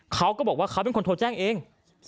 เขาก็บอกว่าเขาเป็นคนโทรแจ้งเอง